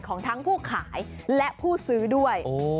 ของทั้งผู้ขายและผู้ซื้อด้วย